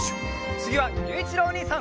つぎはゆういちろうおにいさん！